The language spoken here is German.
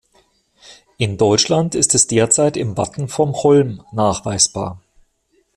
In Deutschland ist es derzeit im Wappen von Holm nachweisbar.